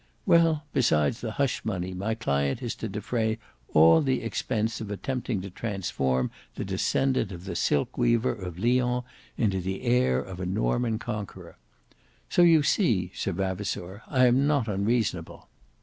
Well, besides the hush money, my client is to defray all the expense of attempting to transform the descendant of the silkweaver of Lyons into the heir of a Norman conqueror. So you see, Sir Vavasour, I am not unreasonable.